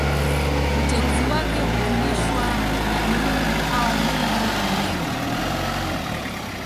Uteuzi wake hujulishwa na miungu au mungu mwenyewe